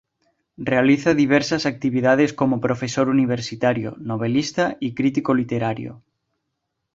Realiza diversas actividades como profesor universitario, novelista y crítico literario.